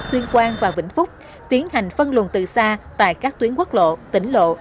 tuyên quang và vĩnh phúc tiến hành phân luồng từ xa tại các tuyến quốc lộ tỉnh lộ